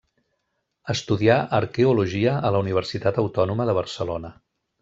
Estudià arqueologia a la Universitat Autònoma de Barcelona.